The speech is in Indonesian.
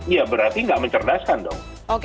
ya berarti nggak mencerdaskan dong